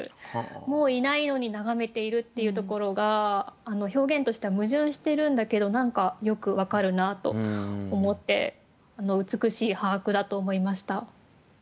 もういないのに眺めているっていうところが表現としては矛盾してるんだけど何かよく分かるなと思って美しい把握だと思いました。